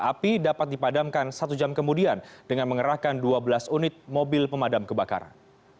api dapat dipadamkan satu jam kemudian dengan mengerahkan dua belas unit mobil pemadam kebakaran